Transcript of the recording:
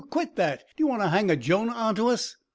Quit that! D'you want to hang a Jonah onto us?"